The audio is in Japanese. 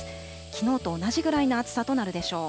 きのうと同じぐらいの暑さとなるでしょう。